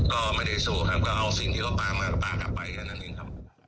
ก็ไม่ได้สู้ครับก็เอาสิ่งที่เขาปลามาก็ปลากลับไปแค่นั้นเองครับ